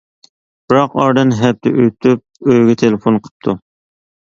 بىراق، ئارىدىن ھەپتە ئۆتۈپ ئۆيگە تېلېفون قىپتۇ.